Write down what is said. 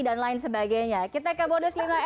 dan lain sebagainya kita ke bonus lima m